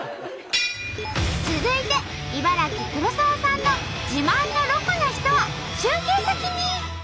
続いて茨城黒沢さんの自慢のロコな人は中継先に！